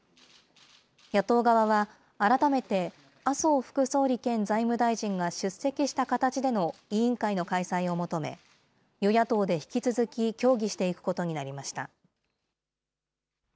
野党側は改めて麻生副総理兼財務大臣が出席した形での委員会の開催を求め、与野党で引き続き協議していくことになりました。